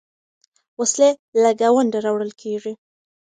وسلې له ګاونډه راوړل کېږي.